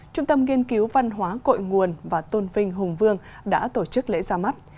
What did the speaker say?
trung tâm nghiên cứu văn hóa cội nguồn và tôn vinh hùng vương đã tổ chức lễ ra mắt